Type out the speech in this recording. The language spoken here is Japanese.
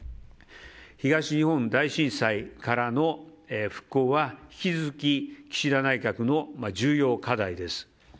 東日本大震災からの復興は引き続き岸田内閣の重要課題です。